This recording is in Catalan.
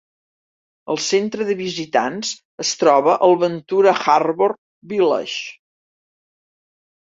El centre de visitants es troba al Ventura Harbor Village.